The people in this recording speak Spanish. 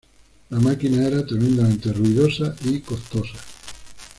La máquina era tremendamente ruidosa y costosa.